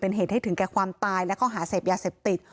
เป็นเหตุให้ถึงแก่ความตายและข้อหาเสพยาเสพติด